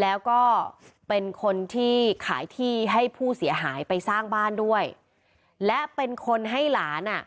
แล้วก็เป็นคนที่ขายที่ให้ผู้เสียหายไปสร้างบ้านด้วยและเป็นคนให้หลานอ่ะ